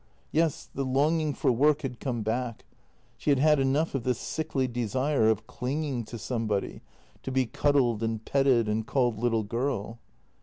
Yes, the longing for work had come back; she had had enough of this sickly desire of clinging to somebody, to be cuddled and petted and called little girl.